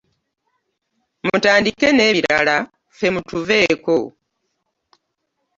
Mutandike n'ebirala ffe mutuveeko.